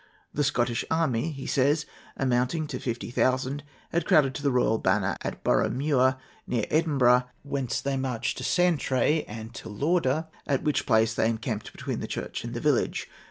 "The Scottish army," he says, "amounting to about fifty thousand, had crowded to the royal banner at Burrough Muir, near Edinburgh, whence they marched to Soutray and to Lauder, at which place they encamped between the church and the village.